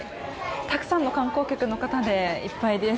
たくさんの観光客の方でいっぱいです。